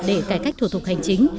để cải cách thủ tục hành chính